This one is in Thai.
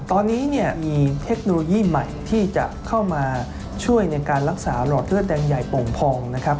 ตอนนี้เนี่ยมีเทคโนโลยีใหม่ที่จะเข้ามาช่วยในการรักษาหลอดเลือดแดงใหญ่โป่งพองนะครับ